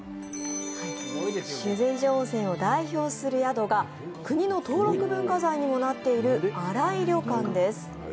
修善寺温泉を代表する宿が国の登録文化財にもなっている新井旅館です。